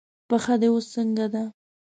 پښه دې اوس څنګه ده؟